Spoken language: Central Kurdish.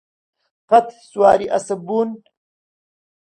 قەت سواری ئەسپ بوون؟